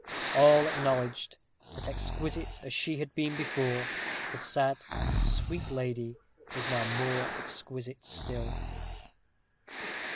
All acknowledged, that exquisite as she had been before, the sad, sweet lady was now more exquisite still.